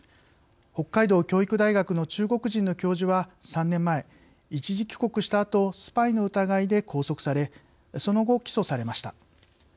北海道教育大学の中国人の教授は３年前、一時帰国したあとスパイの疑いで拘束されその後、起訴されました。